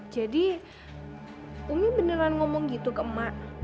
jadi umi beneran ngomong gitu ke emak